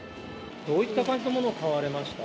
どういった感じのものを買われました？